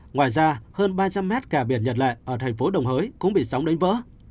ngoài ra hơn ba trăm linh mét cà biển nhật lệ ở thành phố đồng hới cũng bị sóng đánh vỡ